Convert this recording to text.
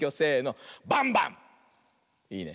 いいね。